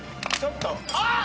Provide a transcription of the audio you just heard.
あっ！